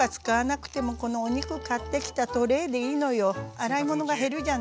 洗い物が減るじゃない？